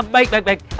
baik baik baik